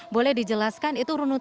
boleh dijelaskan itu runut